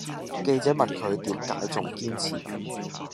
記者問佢點解仲堅持